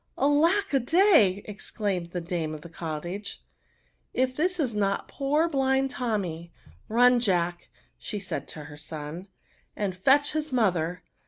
'^ Alack a day !" exdaimed the dame of the cottage, " if this is not poor blind Tommy ! Bun, Jack (said she to her son), and fetch his mother."